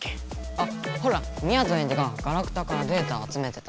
あほらみやぞんエンジがガラクタからデータをあつめてた。